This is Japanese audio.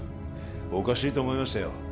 おかしいと思いましたよ